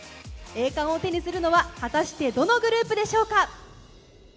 栄冠を手にするのは、果たしてどのグループでしょうか。